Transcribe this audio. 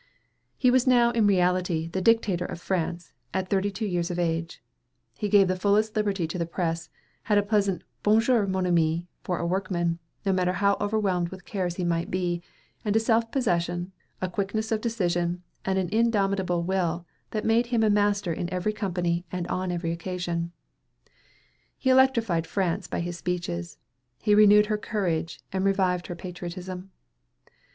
He was now in reality the Dictator of France, at thirty two years of age. He gave the fullest liberty to the press, had a pleasant "Bon jour, mon ami" for a workman, no matter how overwhelmed with cares he might be, and a self possession, a quickness of decision, and an indomitable will that made him a master in every company and on every occasion. He electrified France by his speeches; he renewed her courage, and revived her patriotism.